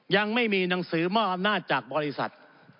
ยังไม่มีหนังสือมอบอำนาจจากบริษัท